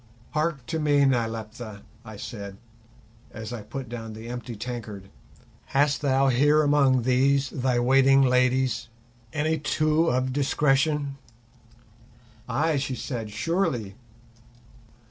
"Hark to me, Nyleptha," I said, as I put down the empty tankard. "Hast thou here among these thy waiting ladies any two of discretion?" "Ay," she said, "surely."